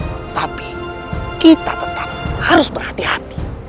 tetapi kita tetap harus berhati hati